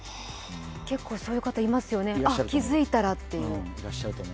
結構、そういう方いますよね気づいたらと。